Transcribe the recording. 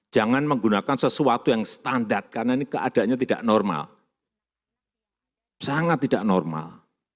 jangan menggunakan sesuatu yang standar karena ini keadaannya tidak normal sangat tidak normal